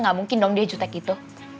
gak mungkin dong dia jutek itu